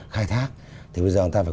khai thác thì bây giờ người ta phải